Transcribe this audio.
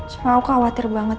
cuma aku khawatir banget